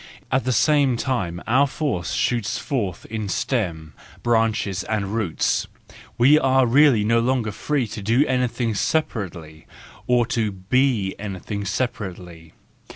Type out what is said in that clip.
At the same time our force shoots forth in stem, branches, and roots; we are really no longer free to do anything separately, or to be anything separately.